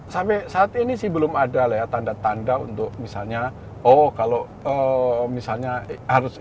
sampai saat ini sih belum ada lah ya tanda tanda untuk misalnya oh kalau misalnya harus